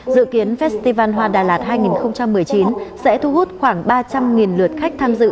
dự kiến festival hoa đà lạt hai nghìn một mươi chín sẽ thu hút khoảng ba trăm linh lượt khách tham dự